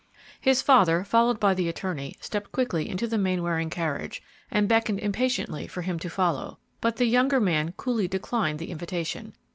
His father, followed by the attorney, stepped quickly into the Mainwaring carriage and beckoned impatiently for him to follow, but the younger man coolly declined the invitation.